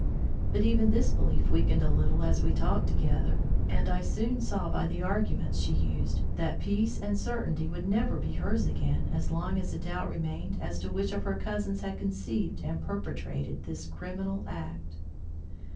But even this belief weakened a little as we talked together, and I soon saw by the arguments she used that peace and certainty would never be hers again as long as a doubt remained as to which of her cousins had conceived and perpetrated this criminal act.